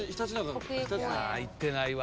行ってないわ。